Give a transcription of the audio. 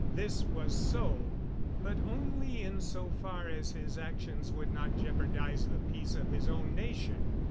This was so, but only in so far as his actions would not jeopardize the peace of his own nation.